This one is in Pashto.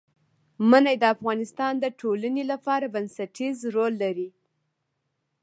منی د افغانستان د ټولنې لپاره بنسټيز رول لري.